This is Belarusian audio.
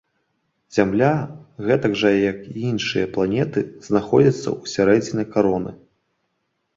Зямля, гэтак жа як і іншыя планеты, знаходзяцца ўсярэдзіне кароны.